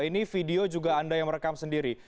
ini video juga anda yang merekam sendiri